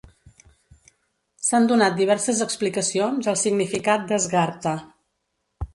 S'han donat diverses explicacions al significat de Zgharta.